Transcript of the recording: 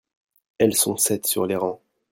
elles sont sept sur les rangs.